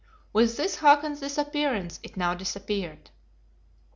With this Hakon's disappearance it now disappeared.